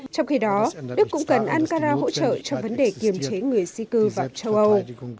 trong khi đó đức cũng cần ankara hỗ trợ cho vấn đề kiềm chế người di cư vào châu âu